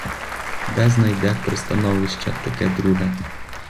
Де знайде пристановище таке друге?